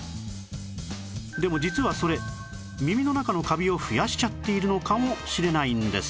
でも実はそれ耳の中のカビを増やしちゃっているのかもしれないんです